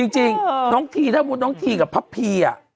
จริงน้องที่ถ้าพูดน้องที่กับพะพี่